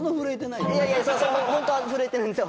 いやいやホントは震えてるんですよ